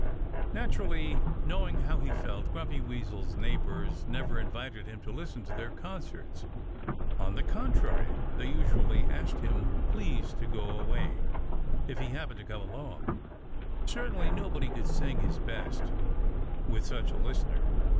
Naturally, knowing how he felt, Grumpy Weasel's neighbors never invited him to listen to their concerts. On the contrary they usually asked him please to go away, if he happened to come along. Certainly nobody could sing his best, with such a listener.